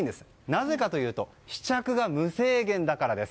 なぜかというと試着が無制限だからです。